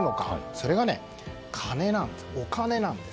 それは、お金なんです。